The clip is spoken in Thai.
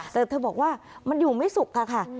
แต่เธอบอกว่ามันอยู่ไม่สุขค่ะ